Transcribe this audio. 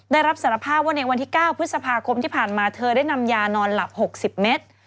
รับสารภาพว่าในวันที่๙พฤษภาคมที่ผ่านมาเธอได้นำยานอนหลับ๖๐เมตร